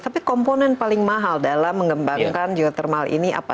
tapi komponen paling mahal dalam mengembangkan geothermal ini apa